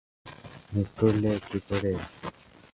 Miss করলে কীকরে?